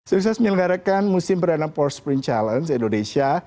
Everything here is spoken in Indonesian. sukses menyelenggarakan musim perenang porsche sprint challenge indonesia